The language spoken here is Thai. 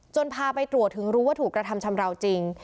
พาไปตรวจถึงรู้ว่าถูกกระทำชำราวจริง